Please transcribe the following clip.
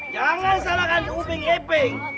jangan salahkan upeng epeng